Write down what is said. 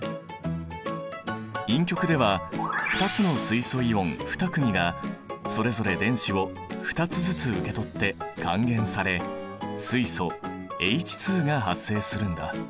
陰極では２つの水素イオン２組がそれぞれ電子を２つずつ受け取って還元され水素Ｈが発生するんだ。